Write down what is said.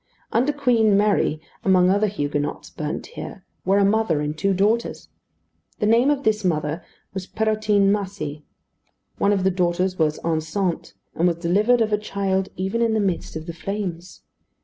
Under Queen Mary, among other Huguenots burnt here, were a mother and two daughters. The name of this mother was Perrotine Massy. One of the daughters was enceinte, and was delivered of a child even in the midst of the flames.